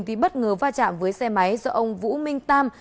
thì bất ngờ va chạm với xe máy do ông vũ minh tam